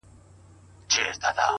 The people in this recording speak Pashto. معرفت ته یې حاجت نه وینم چاته,